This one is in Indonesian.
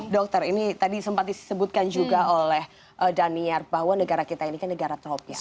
dokter ini tadi sempat disebutkan juga oleh daniar bahwa negara kita ini kan negara tropis